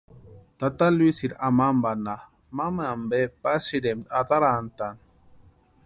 Tata Luisiri amampanha mamampe pasïrempti atarantani.